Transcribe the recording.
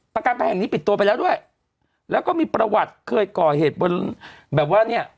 การแพงแห่งนี้ปิดตัวไปแล้วด้วยแล้วก็มีประวัติเคยก่อเหตุบนแบบว่าเนี่ย